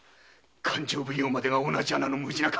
勘定奉行までが同じ穴のムジナか。